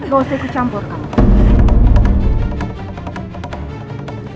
ga usah ikut campur kak